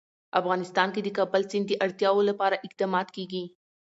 افغانستان کې د کابل سیند د اړتیاوو لپاره اقدامات کېږي.